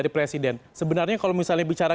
dari presiden sebenarnya kalau misalnya bicara